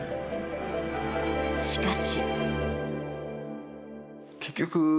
しかし。